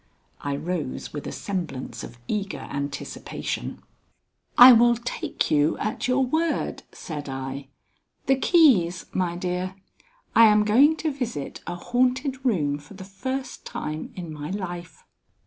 I rose with a semblance of eager anticipation. "I will take you at your word," said I. "The keys, my dear. I am going to visit a haunted room for the first time in my life."